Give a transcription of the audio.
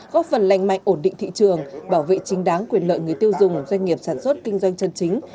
góp phần lành mạnh ổn định thị trường bảo vệ chính đáng quyền lợi người tiêu dùng doanh nghiệp sản xuất kinh doanh chân chính